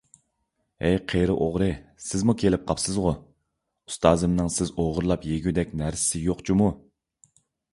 ھەي قېرى ئوغرى، سىزمۇ كېلىپ قاپسىزغۇ؟ ئۇستازىمنىڭ سىز ئوغرىلاپ يېگۈدەك نەرسىسى يوق جۇمۇ!